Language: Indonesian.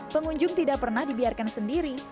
pengunjung tidak pernah dibiarkan sendiri